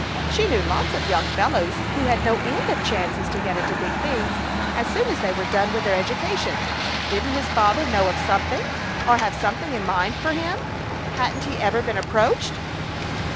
She knew lots of young fellows who had no end of chances to get into big things as soon as they were done with their education. Didn't his father know of something, or have something in mind for him? Hadn't he ever been approached?